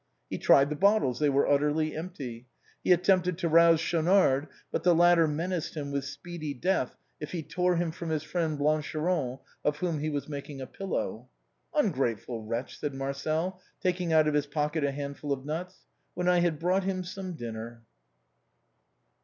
He tried the bottles; they were utterly empty. He attempted to rouse Schaunard; but the latter menaced him with speedy death, if he tore him from his friend Blancheron, of whom he was making a pillow. " Ungrateful wretch !" said Marcel, taking out of his pocket a handful of nuts ;" when I had brought him some dinner